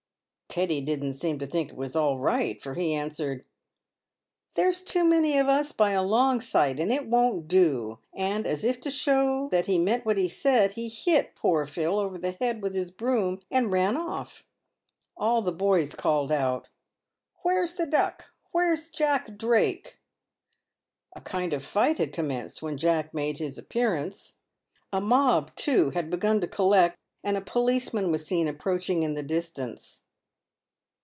Teddy didn't seem to think it was all right, for he answered :" There's too many of us by a long sight, and it won't do ;" and as if to show that he meant what he said, he hit poor Phil over the head with his broom and ran oif. "All the boys called out, "Where's the Duck — where's Jack Drake?" A kind of fight had commenced when Jack made his appearance. A mob, too, had begun to collect, and a policeman was seen approach ing in the distance.